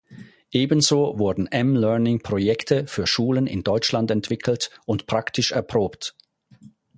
Ebenso wurden M-Learning-Projekte für Schulen in Deutschland entwickelt und praktisch erprobt.